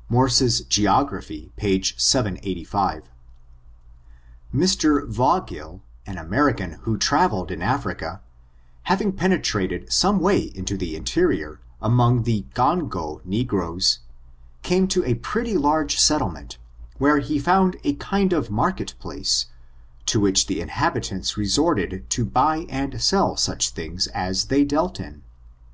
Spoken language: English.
— Morsels Oeo.y p. 785. Mr, Vaugill, an American, who traveled in Africa, having penetrated some way into the interior, among the Oango negroes, came to a pretty large settlement, where he found a kind of market place, to which the inhabitants resorted to buy and sell such things as they dealt in.